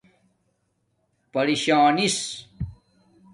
پری شانِس